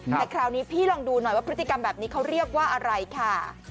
แต่คราวนี้พี่ลองดูหน่อยว่าพฤติกรรมแบบนี้เขาเรียกว่าอะไรค่ะ